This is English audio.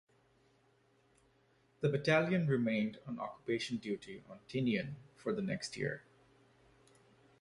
The battalion remained on occupation duty on Tinian for the next year.